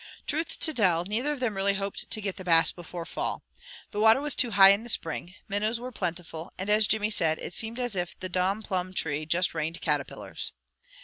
Truth to tell, neither of them really hoped to get the Bass before fall. The water was too high in the spring. Minnows were plentiful, and as Jimmy said, "It seemed as if the domn plum tree just rained caterpillars."